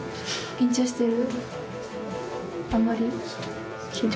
緊張してる。